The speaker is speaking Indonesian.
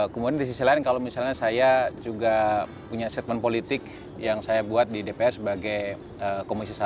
kemudian di sisi lain kalau misalnya saya juga punya statement politik yang saya buat di dpr sebagai komisi satu